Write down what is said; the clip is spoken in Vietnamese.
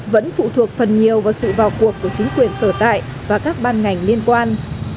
vẫn phụ thuộc phần nhiều vào sự vào cuộc của chính quyền sở tại và các ban ngành liên quan